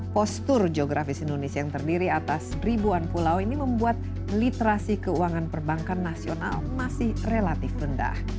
postur geografis indonesia yang terdiri atas ribuan pulau ini membuat literasi keuangan perbankan nasional masih relatif rendah